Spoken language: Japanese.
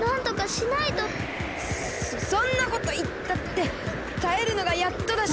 そそんなこといったってたえるのがやっとだし。